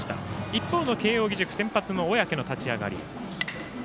一方の慶応義塾先発の小宅の立ち上がり。